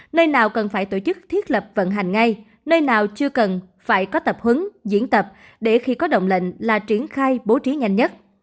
nơi nào cần phải tổ chức thiết lập vận hành ngay nơi nào chưa cần phải có tập hướng diễn tập để khi có động lệnh là triển khai bố trí nhanh nhất